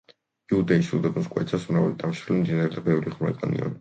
იუდეის უდაბნოს კვეთავს მრავალი დამშრალი მდინარე და ბევრი ღრმა კანიონი.